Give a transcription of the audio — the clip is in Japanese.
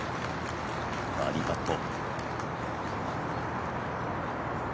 バーディーパット。